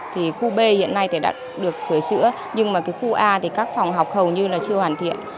thì khu b hiện nay thì đã được sửa chữa nhưng mà cái khu a thì các phòng học hầu như là chưa hoàn thiện